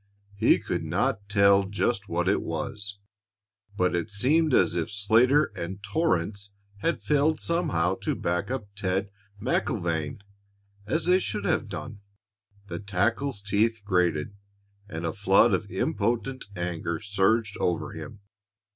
He could not tell just what it was, but it seemed as if Slater and Torrance had failed somehow to back up Ted MacIlvaine as they should have done. The tackle's teeth grated, and a flood of impotent anger surged over him.